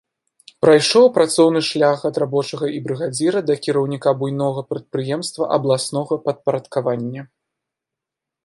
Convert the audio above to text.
Прайшоў працоўны шлях ад рабочага і брыгадзіра да кіраўніка буйнога прадпрыемства абласнога падпарадкавання.